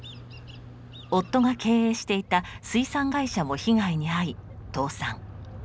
夫が経営していた水産会社も被害に遭い倒産。